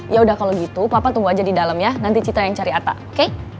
ya udah kalau gitu papa tunggu aja di dalam ya nanti cita yang cari ata oke